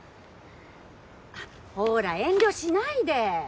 ほら遠慮しないで！